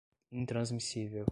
intransmissível